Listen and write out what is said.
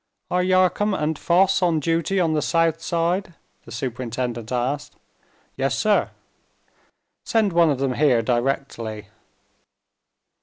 "Are Yarcombe and Foss on duty on the south side?" the superintendent asked. "Yes, sir." "Send one of them here directly."